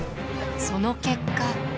その結果。